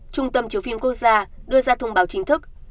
trung tâm chiếu phim quốc gia đưa ra thông báo chính thức